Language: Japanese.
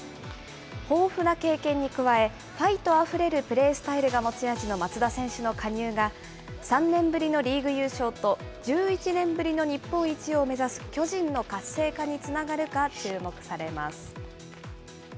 豊富な経験に加え、ファイトあふれるプレースタイルが持ち味の松田選手の加入が、３年ぶりのリーグ優勝と１１年ぶりの日本一を目指す巨人の活性化につながるか注目されます。